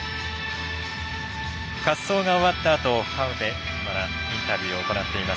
滑走が終わったあと河辺愛菜インタビューを行っています。